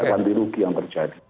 terlalu banyak yang terjadi